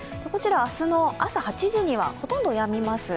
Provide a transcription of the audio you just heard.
明日の朝８時にはほとんどやみます。